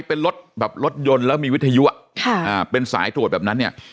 เป็นรถแบบรถยนต์แล้วมีวิทยุอ่ะค่ะอ่าเป็นสายตรวจแบบนั้นเนี่ย